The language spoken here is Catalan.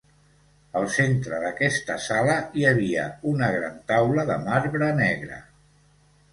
Al centre d'aquesta sala hi havia una gran taula de marbre negre.